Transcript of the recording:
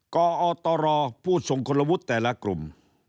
กอตรผู้ทรงคุณวุฒิแต่ละกลุ่ม